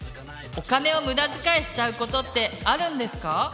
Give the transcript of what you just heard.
お金を無駄遣いしちゃうことってあるんですか？